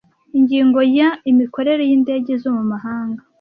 Ingingo ya Imikorere y indege zo mu mahanga